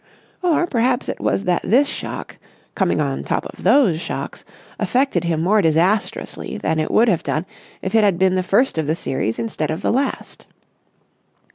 Or perhaps it was that this shock, coming on top of those shocks, affected him more disastrously than it would have done if it had been the first of the series instead of the last.